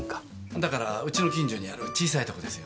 だからうちの近所にある小さいとこですよ。